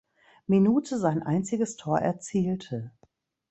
Minute sein einziges Tor erzielte.